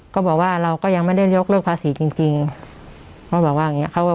ก็บอกว่าเราก็ยังไม่ได้ยกเลิกภาษีจริงเขาบอกว่าอย่างนี้